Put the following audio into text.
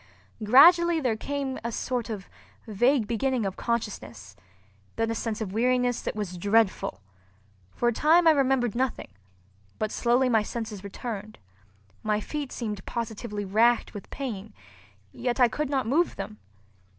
Gradually there came a sort of vague beginning of consciousness, then a sense of weariness that was dreadful. For a time I remembered nothing, but slowly my senses returned. My feet seemed positively racked with pain, yet I could not move them.